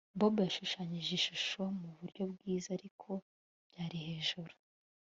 bob yashushanyije ishusho muburyo bwiza, ariko byari hejuru